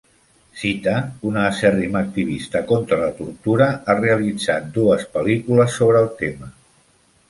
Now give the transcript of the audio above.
Zita, una acèrrima activista contra la tortura, ha realitzat dues pel·lícules sobre el tema.